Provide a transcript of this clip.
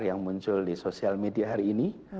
yang muncul di sosial media hari ini